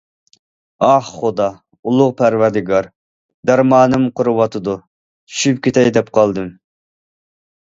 ئاھ خۇدا، ئۇلۇغ پەرۋەردىگار، دەرمانىم قۇرۇۋاتىدۇ، چۈشۈپ كېتەي دەپ قالدىم!